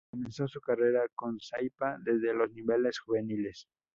Comenzó su carrera con Saipa desde los niveles juveniles.